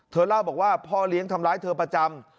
เล่าบอกว่าพ่อเลี้ยงทำร้ายเธอประจำ